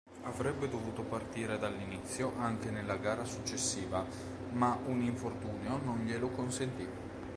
Avrebbe dovuto partire dall'inizio anche nella gara successiva ma un infortunio non glielo consentì.